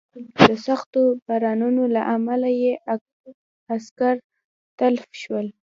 د سختو بارانونو له امله یې عسکر تلف شول.